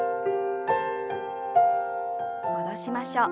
戻しましょう。